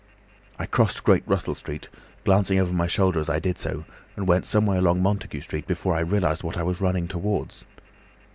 I crossed Great Russell Street, glancing over my shoulder as I did so, and went some way along Montague Street before I realised what I was running towards.